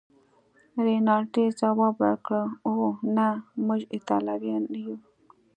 رینالډي ځواب ورکړ: اوه، نه، موږ ایټالویان نه یو.